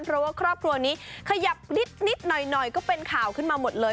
เพราะว่าครอบครัวนี้ขยับนิดหน่อยก็เป็นข่าวขึ้นมาหมดเลย